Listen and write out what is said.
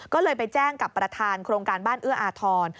ก็เลยไปแจ้งกับประธานโครงการบ้านเอื้ออาทร